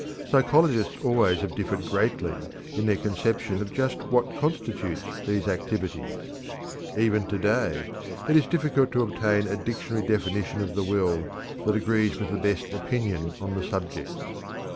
Psychologists always have differed greatly in their conception of just what constitutes these activities. Even to day it is difficult to obtain a dictionary definition of the will that agrees with the best opinion on the subject.